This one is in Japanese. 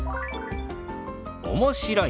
「面白い」。